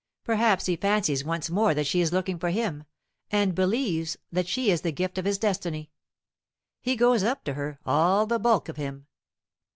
Perhaps he fancies once more that she is looking for him, and believes that she is the gift of his destiny. He goes up to her all the bulk of him.